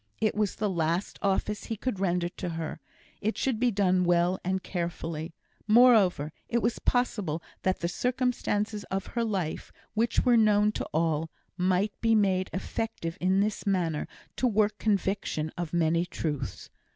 It was the last office he could render to her; it should be done well and carefully. Moreover, it was possible that the circumstances of her life, which were known to all, might be made effective in this manner to work conviction of many truths.